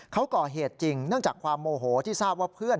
เขาก่อเหตุจริงเนื่องจากความโมโหที่ทราบว่าเพื่อน